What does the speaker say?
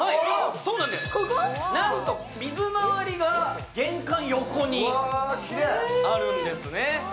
なんと水回りが玄関横にあるんですね。